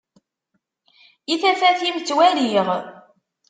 I tafat-im ttwaliɣ.